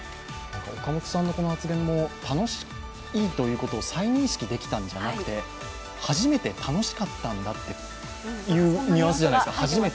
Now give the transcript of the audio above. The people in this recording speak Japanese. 岡本さんのこの発言も楽しいということを再認識できたんじゃなくて初めて楽しかったんだっていうニュアンスじゃないですか。